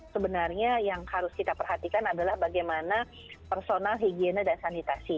sebenarnya yang harus kita perhatikan adalah bagaimana personal higiene dan sanitasi